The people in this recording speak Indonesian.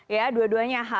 ya dua duanya h